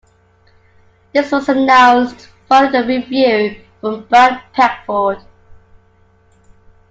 This was announced following a review from Brian Peckford.